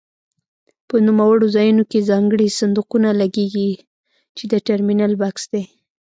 په نوموړو ځایونو کې ځانګړي صندوقونه لګېږي چې د ټرمینل بکس دی.